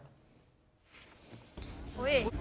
อุ๊ยเห็นมั้ย